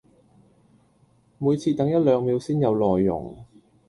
每次等一兩秒先有內容